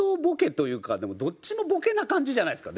どっちもボケな感じじゃないですか？